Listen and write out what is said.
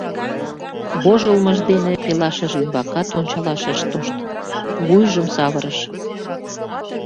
Вожылмыж дене пелашыж ӱмбакат ончалаш ыш тошт, вуйжым савырыш.